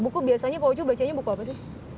biasanya pak ucu bacanya buku apa sih